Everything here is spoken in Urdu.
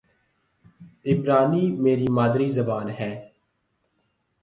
عبرانی میری مادری زبان ہے